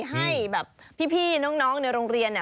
ให้แบบพี่น้องในโรงเรียน